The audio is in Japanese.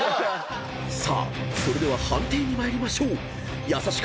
［さあそれでは判定に参りましょう］